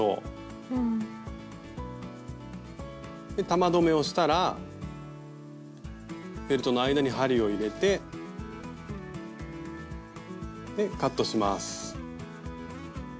玉留めをしたらフェルトの間に針を入れてでカットします。